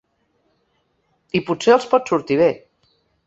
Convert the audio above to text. I potser els pot sortir bé.